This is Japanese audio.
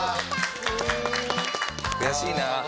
悔しいな。